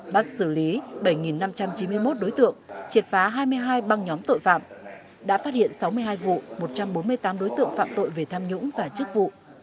bắt xử lý bảy năm trăm chín mươi một đối tượng triệt phá hai mươi hai băng nhóm tội phạm đã phát hiện sáu mươi hai vụ một trăm bốn mươi tám đối tượng phạm tội về tham nhũng và chức vụ